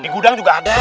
di gudang juga ada